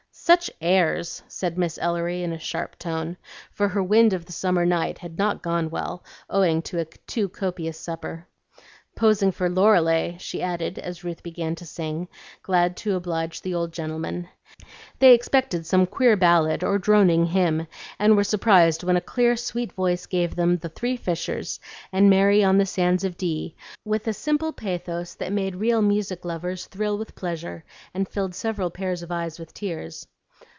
"Such airs!" said Miss Ellery, in a sharp tone; for her "Wind of the Summer Night" had not gone well, owing to a too copious supper. "Posing for Lorelei," she added, as Ruth began to sing, glad to oblige the kind old gentleman. They expected some queer ballad or droning hymn, and were surprised when a clear sweet voice gave them "The Three Fishers" and "Mary on the Sands of Dee" with a simple pathos that made real music lovers thrill with pleasure, and filled several pairs of eyes with tears.